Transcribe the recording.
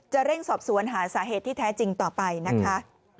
เร่งสอบสวนหาสาเหตุที่แท้จริงต่อไปนะคะ